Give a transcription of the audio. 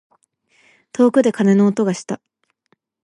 遠くで鐘の音がした。